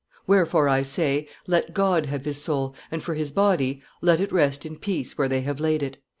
Wherefore I say, let God have his soul; and for his body, let it rest in peace where they have laid it."